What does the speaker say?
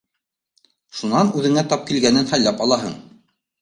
Шунан үҙеңә тап килгәнен һайлап алаһың.